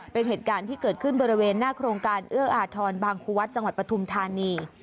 เป็นเหตุการณ์ที่เกิดขึ้นบริเวณหน้าโครงการเอื้ออาทรบางครูวัดจังหวัดปฐุมธานี